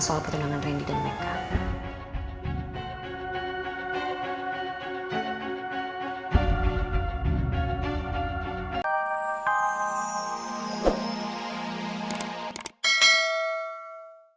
soal pertunangan randy dan mereka